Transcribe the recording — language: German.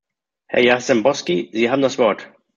Herr Jarzembowski, Sie haben das Wort.